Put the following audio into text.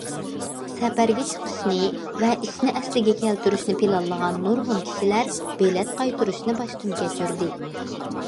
سەپەرگە چىقىشنى ۋە ئىشنى ئەسلىگە كەلتۈرۈشنى پىلانلىغان نۇرغۇن كىشىلەر بېلەت قايتۇرۇشنى باشتىن كەچۈردى.